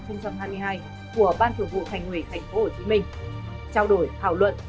của ban thường vụ thành quỷ tp hcm trao đổi thảo luận